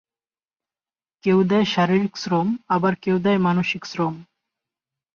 কেউ দেয় শারীরিক শ্রম আবার কেউ দেয় মানসিক শ্রম।